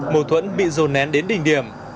mâu thuẫn bị dồn nén đến đỉnh điểm